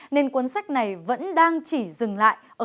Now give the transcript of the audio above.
nên cuốn sách này vẫn đang chỉ dừng lại